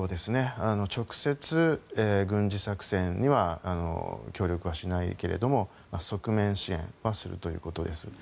直接、軍事作戦には協力はしないけれども側面支援はするということです。